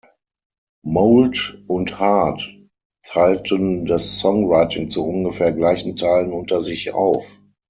Mould und Hart teilten das Songwriting zu ungefähr gleichen Teilen unter sich auf.